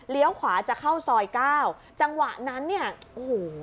ขวาจะเข้าซอยเก้าจังหวะนั้นเนี่ยโอ้โห